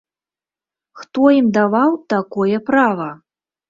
Хто ім даваў такое права?